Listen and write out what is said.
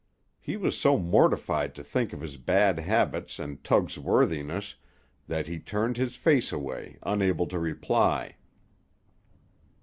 He was so mortified to think of his bad habits and Tug's worthiness, that he turned his face away, unable to reply.